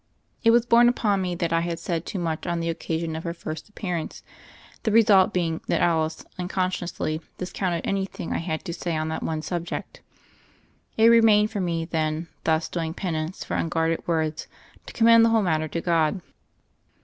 It was borne upon me that I had said too much on the occasion of her first appearance, the result being that Alice, unconsciously, discounted anything I had to say on that one subject. It remained for me, then, thus doing penance for unguarded words, to commend the whole matter to God.